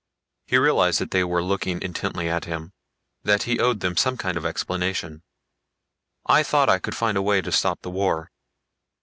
He realized that they were looking intently at him, that he owed them some kind of explanation. "I thought I could find a way to stop the war.